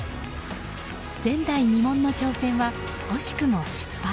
前代未聞の挑戦は惜しくも失敗。